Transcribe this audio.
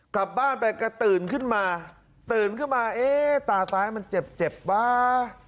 กลับบ้านไปก็ตื่นขึ้นมาตื่นขึ้นมาเอ๊ะตาซ้ายมันเจ็บเจ็บวะ